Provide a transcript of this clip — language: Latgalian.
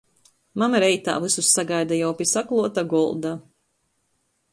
Mama reitā vysus sagaida jau pi sakluota golda.